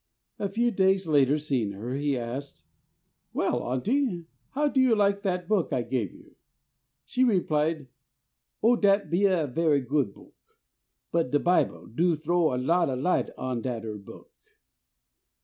A few days later seeing her, he asked, "Well, Auntie, how do you like that book I gave you?" She replied, "Oh, dat be a very good book, 64 THE soul winner's secret. but de Bible do throw a lot o' light on dat 'er book."